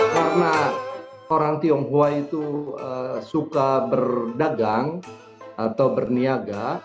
karena orang tionghoa itu suka berdagang atau berniaga